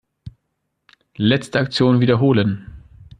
Letzte Aktion wiederholen.